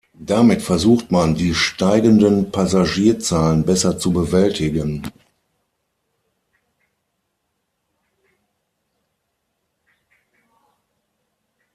Damit versucht man, die steigenden Passagierzahlen besser zu bewältigen.